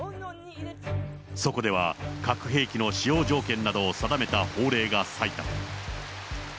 そこでは核兵器の使用条件などを定めた法令が採択。